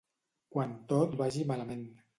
Quan tot vagi malament.